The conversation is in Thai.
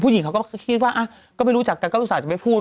ผู้หญิงเขาก็คิดว่าก็ไม่รู้จักกันก็รู้สึกจะไม่พูด